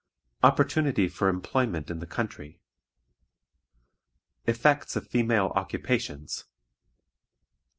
Opportunity for Employment in the Country. Effects of Female Occupations.